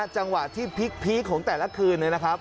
จังหวะที่พีคของแต่ละคืน